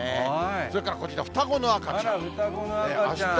それからこちら、双子の赤ちゃん。